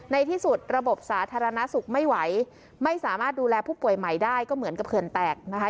ในที่สุดระบบสาธารณสุขไม่ไหวไม่สามารถดูแลผู้ป่วยใหม่ได้ก็เหมือนกับเขื่อนแตกนะคะ